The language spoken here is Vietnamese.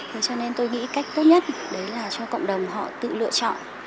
thế cho nên tôi nghĩ cách tốt nhất đấy là cho cộng đồng họ tự lựa chọn